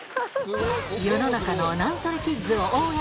世の中のなんそれキッズを応援！